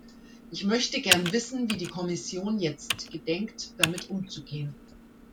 Ich möchte gern wissen, wie die Kommission jetzt gedenkt, damit umzugehen.